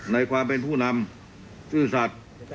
ในความเป็นผู้นำซื่อสัตว์